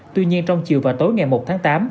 tuy nhiên trong chiều và tối ngày một tháng tám